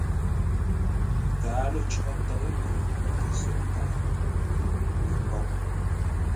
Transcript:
Tǎalo cǒ tə̌ʉ koŋə tə só nkaghʼə ə́ poʼ.